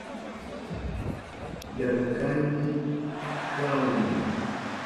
Yarkaymi kahuni